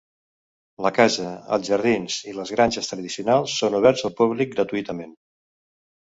La casa, els jardins i les granges tradicionals són oberts al públic gratuïtament.